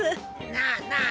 なあなあ。